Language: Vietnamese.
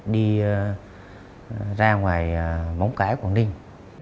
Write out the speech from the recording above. đi ra ngoài bóng cái quảng ninh